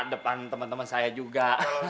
depan temen temen saya juga